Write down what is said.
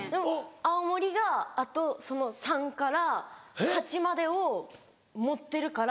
青森があとその三から八までを持ってるから。